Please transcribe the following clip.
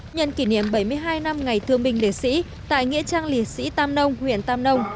nhân kỷ niệm bảy mươi hai năm ngày thương binh liệt sĩ tại nghĩa trang liệt sĩ tam nông huyện tam nông